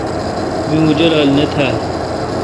می اوں جولال نہ تھال۔